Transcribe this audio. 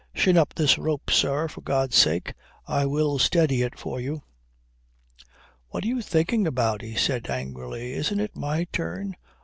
Shin up this rope, sir, for God's sake. I will steady it for you." "What are you thinking about," he says angrily. "It isn't my turn.